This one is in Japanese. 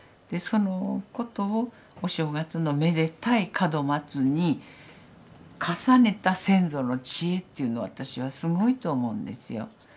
そのことをお正月のめでたい門松に重ねた先祖の知恵というのは私はすごいと思うんですよ。